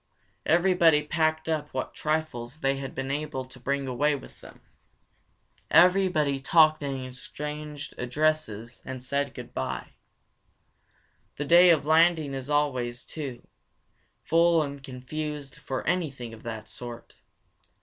Everybody packed up what trifles they had been able to bring away with them. Everybody talked and exchanged addresses and said good bye. The day of landing is always too, full and confused for anything of that sort.